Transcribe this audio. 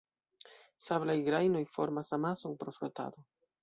Sablaj grajnoj formas amason pro frotado.